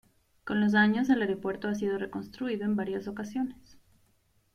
Con los años el aeropuerto ha sido reconstruido en varias ocasiones.